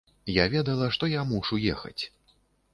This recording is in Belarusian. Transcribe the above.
Я ведала, што я мушу ехаць.